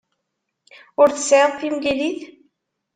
Ur tesɛiḍ timlilit?